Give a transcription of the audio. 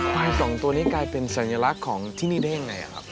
ควายสองตัวนี้กลายเป็นสัญลักษณ์ของที่นี่ได้ยังไงครับ